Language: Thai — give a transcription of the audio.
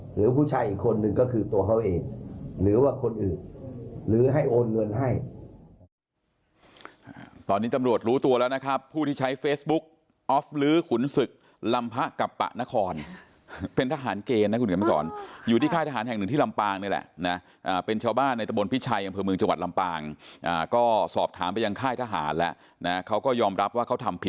หรือผู้ชายอีกคนนึงก็คือตัวเขาเองหรือว่าคนอื่นหรือให้โอนเงินให้